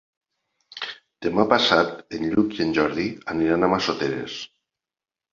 Demà passat en Lluc i en Jordi aniran a Massoteres.